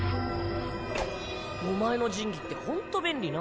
お前の神器ってほんと便利な。